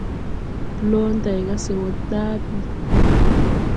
Blo day ga se wo ɗaa bii.